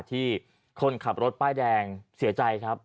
ที่คนขับรถป้ายแดงเสียใจครับ